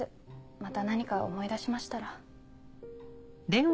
また何か思い出しましたら。